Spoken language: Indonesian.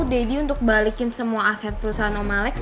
daddy untuk balikin semua aset perusahaan om alex